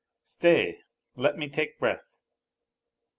. Stay, let me take breath.